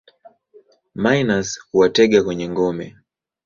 Minus huwatega kwenye ngome.